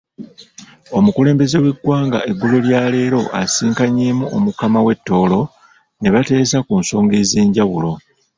Omukulembeze w'eggwanga eggulo lya leero asisinkanyeemu Omukama w'e Tooro, n'ebateesa ku nsonga ez'enjawulo.